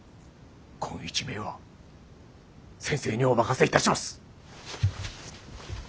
こん一命は先生にお任せいたしもす！